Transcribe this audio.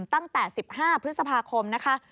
ตั้งแต่๑๕พฤษภาคมนะคะ